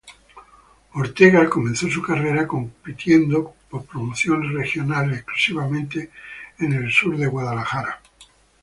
Ortega comenzó su carrera compitiendo por promociones regionales exclusivamente en el sur de California.